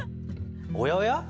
おやおや？